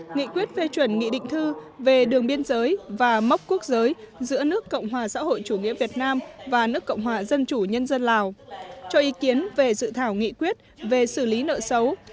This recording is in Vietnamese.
nghị quyết phê chuẩn nghị định thư về đường biên giới và mốc quốc giới giữa nước cộng hòa xã hội chủ nghĩa việt nam và nước cộng hòa dân chủ nhân dân lào cho ý kiến về dự thảo nghị quyết về xử lý nợ xấu